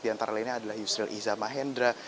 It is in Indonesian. di antara lainnya adalah yusril iza mahendra